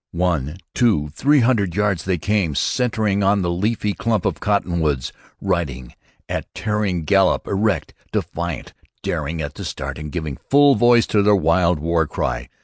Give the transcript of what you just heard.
One, two, three hundred yards they came, centering on the leafy clump of cottonwoods, riding at tearing gallop, erect, defiant, daring at the start, and giving full voice to their wild war cry.